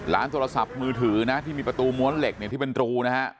โทรศัพท์มือถือนะที่มีประตูม้วนเหล็กเนี่ยที่เป็นรูนะฮะ